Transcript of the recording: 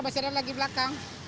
masih ada lagi belakang